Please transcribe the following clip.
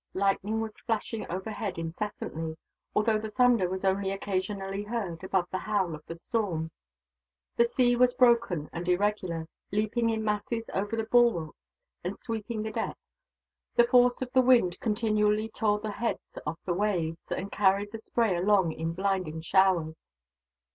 Lightning was flashing overhead incessantly, although the thunder was only occasionally heard, above the howl of the storm. The sea was broken and irregular, leaping in masses over the bulwarks, and sweeping the decks. The force of the wind continually tore the heads off the waves, and carried the spray along in blinding showers.